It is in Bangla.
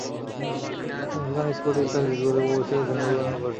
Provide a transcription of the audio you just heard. সেখানে স্কটিশ চার্চ স্কুল থেকে প্রবেশিকা শ্রেণি পর্যন্ত পড়াশোনা করেন।